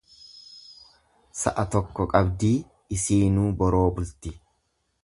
Sa'a tokko qabdii isiinuu boroo bulti.